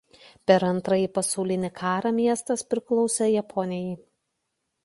Per Antrąjį pasaulinį karą miestas priklausė Japonijai.